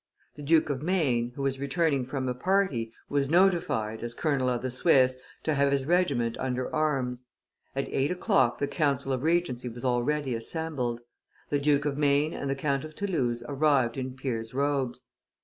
The Duke of Maine, who was returning from a party, was notified, as colonel of the Swiss, to have his regiment under arms; at eight o'clock the council of regency was already assembled; the Duke of Maine and the Count of Toulouse arrived in peer's robes.